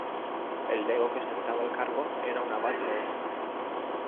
El lego que ostentaba el cargo era un abad lego.